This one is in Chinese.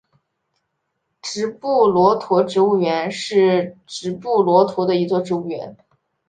直布罗陀植物园是直布罗陀的一座植物园。